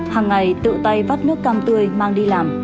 hàng ngày tự tay vắt nước cam tươi mang đi làm